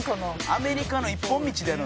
「アメリカの一本道での」